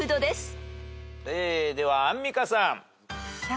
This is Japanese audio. ではアンミカさん。